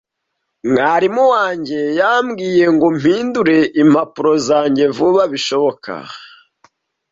Mwarimu wanjye yambwiye ngo mpindure impapuro zanjye vuba bishoboka.